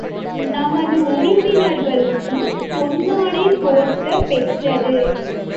நமது உறுப்பினர்களுக்கும் பொன்னாடை போர்த்தப் பெற்றது.